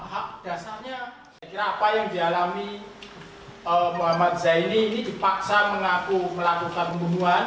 hak dasarnya saya kira apa yang dialami muhammad zaini ini dipaksa mengaku melakukan pembunuhan